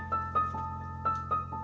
tidak tidak ada